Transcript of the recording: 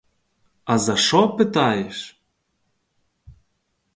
А за що, питаєш?